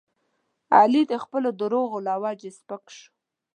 علي د خپلو دروغو له وجې سپک شو.